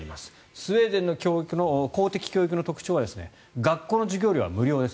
スウェーデンの公的教育の特徴は学校の授業料が無料です。